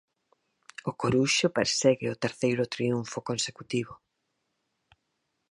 O Coruxo persegue o terceiro triunfo consecutivo.